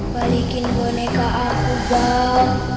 balikin boneka aku bob